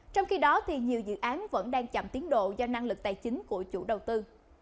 trong khi đó nhiều dự án vẫn đang chậm tiến độ do năng lực tài chính của chủ đầu tư